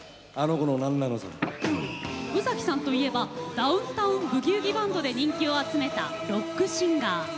宇崎さんといえばダウン・タウン・ブギウギ・バンドで人気を集めたロックシンガー。